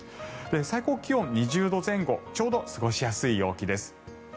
最高気温２０度前後ちょうど過ごしやすい陽気です。